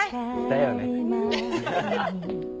だよね。